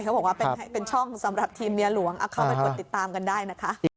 เขาบอกว่าเป็นช่องสำหรับทีมเมียหลวงเอาเข้าไปกดติดตามกันได้นะคะ